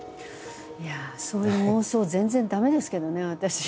いやあそういう妄想全然駄目ですけどね私。